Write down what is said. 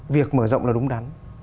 việc mở rộng là đúng đắn